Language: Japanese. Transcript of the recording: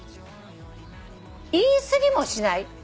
言い過ぎもしない。